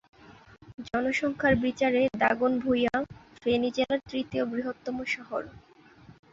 জনসংখ্যার বিচারে দাগনভূঞা ফেনী জেলার তৃতীয় বৃহত্তম শহর।